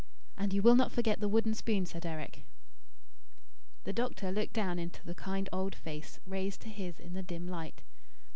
"And you will not forget the wooden spoon, Sir Deryck?" The doctor looked down into the kind old face raised to his in the dim light.